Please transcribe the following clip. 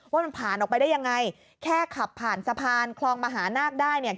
ว่ามันผ่านออกไปได้ยังไงแค่ขับผ่านสะพานคลองมหานาคได้เนี่ย